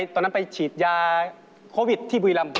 ตอนนั้นไปฉีดยาโควิดที่บุรีรำ